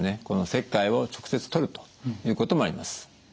この石灰を直接取るということもあります。